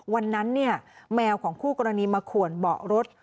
วันนั้นเนี่ยแมวของคู่กรณีมาขวนเบาะรถ